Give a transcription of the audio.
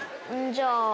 じゃあ。